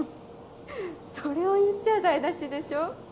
それを言っちゃ台無しでしょ。